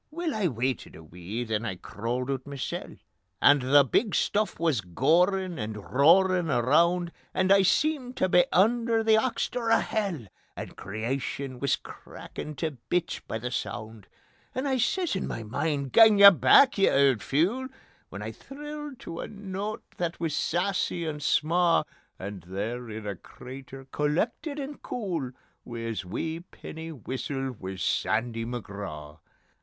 Weel, I waited a wee, then I crawled oot masel, And the big stuff wis gorin' and roarin' around, And I seemed tae be under the oxter o' hell, And Creation wis crackin' tae bits by the sound. And I says in ma mind: "Gang ye back, ye auld fule!" When I thrilled tae a note that wis saucy and sma'; And there in a crater, collected and cool, Wi' his wee penny whistle wis Sandy McGraw.